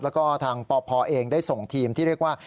แล้วก็ทางปพเองได้ส่งทีมที่เรียกว่า